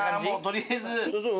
とりあえずどう？